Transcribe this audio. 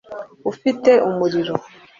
ufite umuriro